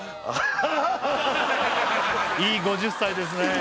はーいいい５０歳ですね